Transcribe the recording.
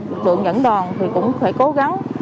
lực lượng nhẫn đòn thì cũng phải cố gắng